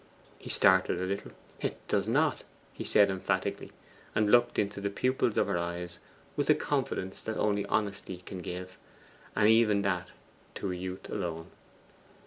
He started a little. 'It does not,' he said emphatically; and looked into the pupils of her eyes with the confidence that only honesty can give, and even that to youth alone.